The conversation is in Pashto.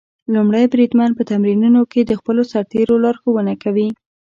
لومړی بریدمن په تمرینونو کې د خپلو سرتېرو لارښوونه کوي.